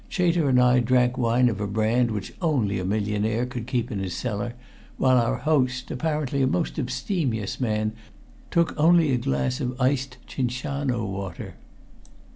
Chater and I drank wine of a brand which only a millionaire could keep in his cellar, while our host, apparently a most abstemious man, took only a glass of iced Cinciano water.